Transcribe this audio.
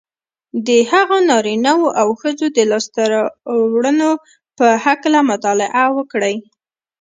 د هغو نارینهوو او ښځو د لاسته رواړنو په هکله مطالعه وکړئ